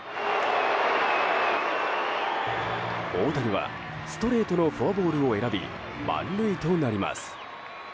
大谷はストレートのフォアボールを選び満塁となります。